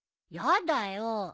やだよ。